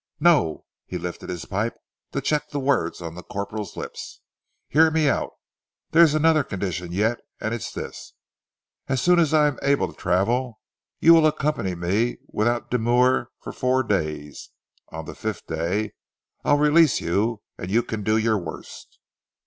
No!" he lifted his pipe to check the words on the corporal's lips. "Hear me out. There's another condition yet, and it is this. As soon as I am able to travel you will accompany me without demur for four days. On the fifth day, I'll release you and you can do your worst."